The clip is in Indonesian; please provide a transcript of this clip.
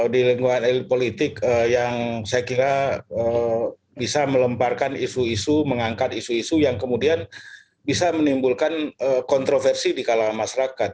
di lingkungan elit politik yang saya kira bisa melemparkan isu isu mengangkat isu isu yang kemudian bisa menimbulkan kontroversi di kalangan masyarakat